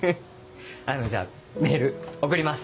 あのじゃあメール送ります。